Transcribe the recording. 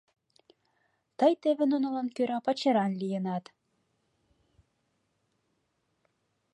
— Тый теве нунылан кӧра пачеран лийынат.